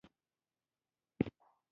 د افغانستان په منظره کې پسه ښکاره ده.